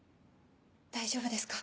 大丈夫ですか？